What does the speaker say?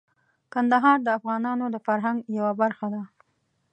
کندهار د افغانانو د فرهنګ یوه برخه ده.